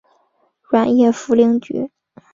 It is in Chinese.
软叶茯苓菊